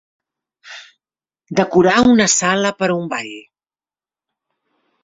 Decorar una sala per a un ball.